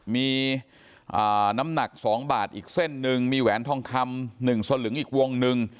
มีน้ำหนัก๒บาทอีกเส้นหนึ่งมีแหวนทองคำ๑สลึงอีกวงนึง